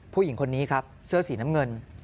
ผู้หญิงคนนี้ครับเสื้อสีน้ำเงิน